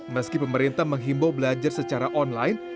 meski pemerintah menghimbau belajar secara online